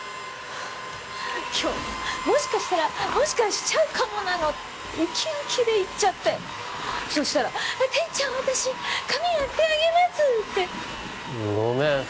今日もしかしたらもしかしちゃうかもなのってウキウキで言っちゃったよそしたら「店長私髪やってあげます」ってごめん